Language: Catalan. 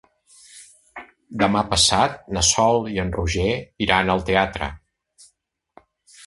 Demà passat na Sol i en Roger iran al teatre.